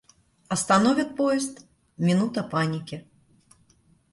Остановят поезд — минута паники.